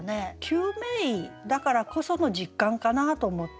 救命医だからこその実感かなと思って。